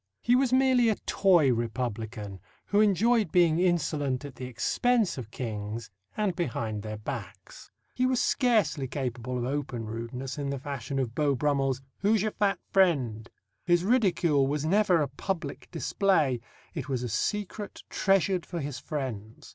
He was merely a toy republican who enjoyed being insolent at the expense of kings, and behind their backs. He was scarcely capable of open rudeness in the fashion of Beau Brummell's "Who's your fat friend?" His ridicule was never a public display; it was a secret treasured for his friends.